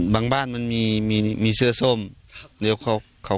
บางบ้านมันมีเสื้อส้มเดี๋ยวเขากลัว